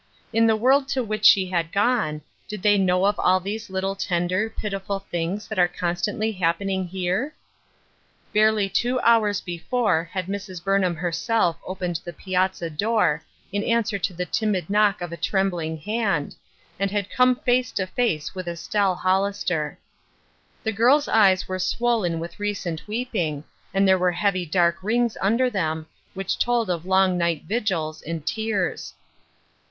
In the world to which she had gone, did they know of all these little ten der, pitiful things that are constantly happening here ? Barely two hours before had Mrs. Burnham herself opened the piazza door in answer to the timid knock of a trembling hand, and had come face to face with Estelle Hollister. The girl's eyes were swollen with recent weeping, and there were heavy dark rings under them, which told of long night vigils, and tears.